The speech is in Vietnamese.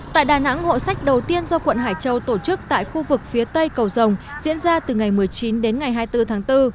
tại đà nẵng hộ sách đầu tiên do quận hải châu tổ chức tại khu vực phía tây cầu rồng diễn ra từ ngày một mươi chín đến ngày hai mươi bốn tháng bốn